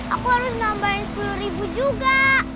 aku harus nambahin sepuluh ribu juga